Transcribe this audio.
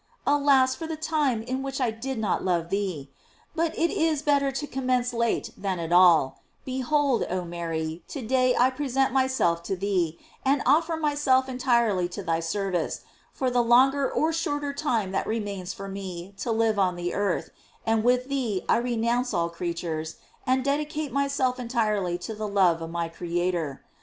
Alas for the time in which I did not love thee!* But it is better to commence late than at all. Behold, oh Mary, to day I present my self to thee, and offer myself entirely to thy * V« tempori ffli, In quo non amavi t*. 410 GLORIES OF MART. service, for the longer or shorter tim« that re* mains for me to live on the earth; and with thea I renounce all creatures, and dedicate myself en« tirely to the love of my Creator.